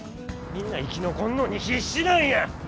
みんな生き残んのに必死なんや！